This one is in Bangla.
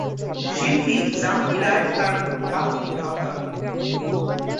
শিল্পী যামিনী রায় তার জ্ঞাতি ভ্রাতা।